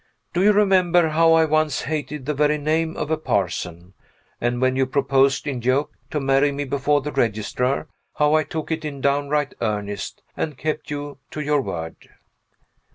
Do you remember how I once hated the very name of a parson and when you proposed, in joke, to marry me before the registrar, how I took it in downright earnest, and kept you to your word?